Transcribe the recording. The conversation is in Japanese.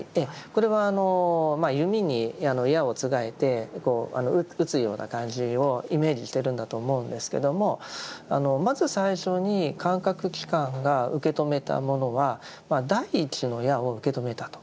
これは弓に矢をつがえて撃つような感じをイメージしてるんだと思うんですけどもまず最初に感覚器官が受け止めたものは第一の矢を受け止めたと。